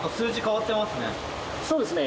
そうですね。